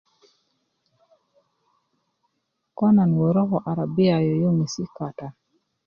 ko nan wörö ko arabiya yöyöŋesi kata